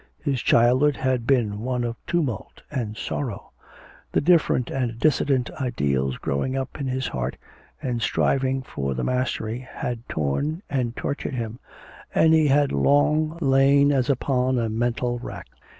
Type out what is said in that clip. His childhood had been one of tumult and sorrow; the different and dissident ideals growing up in his heart and striving for the mastery, had torn and tortured him, and he had long lain as upon a mental rack.